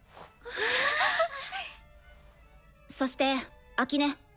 そして秋音。